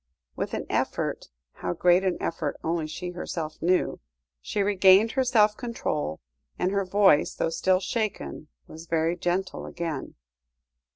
With an effort how great an effort only she herself knew she regained her self control, and her voice, though still shaken, was very gentle again.